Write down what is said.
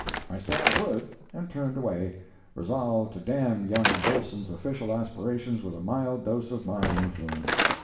I said I would, and turned away, resolved to damn young Billson's official aspirations with a mild dose of my influence.